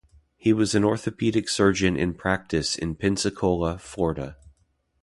He was an orthopedic surgeon in practice in Pensacola, Florida.